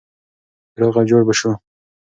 روغ او جوړ به اوسو.